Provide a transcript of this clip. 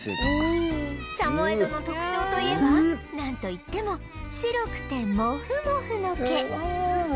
サモエドの特徴といえばなんといっても白くてモフモフの毛！